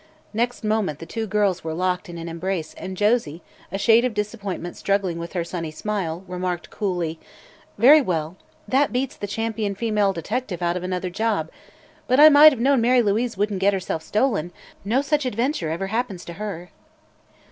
Next moment the two girls were locked in an embrace and Josie, a shade of disappointment struggling with her sunny smile, remarked coolly: "Very well; that beats the champion female detective out of another job. But I might have known Mary Louise wouldn't get herself stolen; no such adventure ever happens to _her."